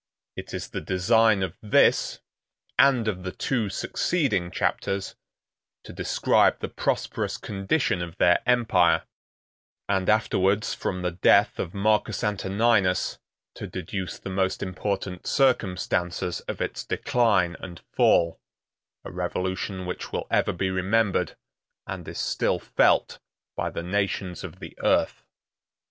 It is the design of this, and of the two succeeding chapters, to describe the prosperous condition of their empire; and afterwards, from the death of Marcus Antoninus, to deduce the most important circumstances of its decline and fall; a revolution which will ever be remembered, and is still felt by the nations of the earth.